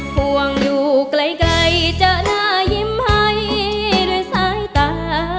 ห่วงอยู่ไกลเจอหน้ายิ้มให้ด้วยสายตา